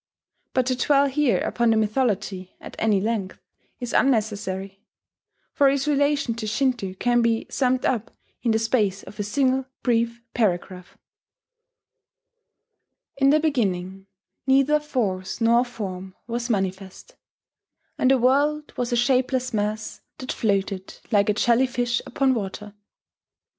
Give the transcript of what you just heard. But to dwell here upon the mythology, at any length, is unnecessary; for its relation to Shinto can be summed up in the space of a single brief paragraph In the beginning neither force nor form was manifest; and the world was a shapeless mass that floated like a jelly fish upon water.